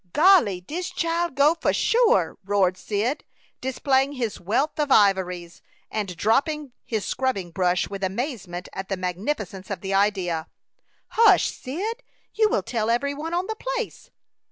"Golly! Dis chile go for sure!" roared Cyd, displaying his wealth of ivories, and dropping his scrubbing brush with amazement at the magnificence of the idea. "Hush, Cyd! You will tell every one on the place."